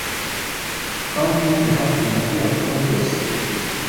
kandi umuri hafi mu byo yakora byose